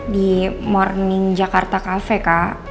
di morning jakarta kafe kak